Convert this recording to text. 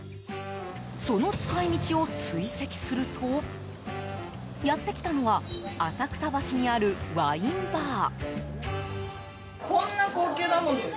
その使い道を追跡するとやってきたのは浅草橋にあるワインバー。